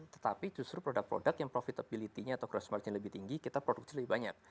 tetapi justru produk produk yang profitability nya atau gross martnya lebih tinggi kita produksi lebih banyak